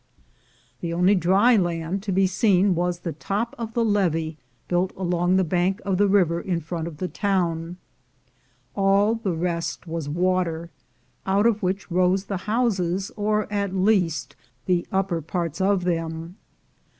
The only dry land to be seen was the top of the levee built along the bank of the river in front of the town; all the rest was water, out of which rose the houses, or at least the upper parts of them.